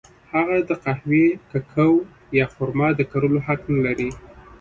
هغه د قهوې، کوکو یا خرما د کرلو حق نه لري.